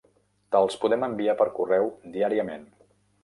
Te'ls podem enviar per correu diàriament.